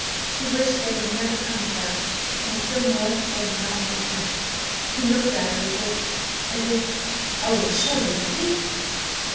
She wished they had never come to Bath, and still more that they had not met him. He looked at her as if–as if–oh, in short, he was hateful!